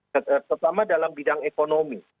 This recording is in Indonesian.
pertama dalam bidang ekonomi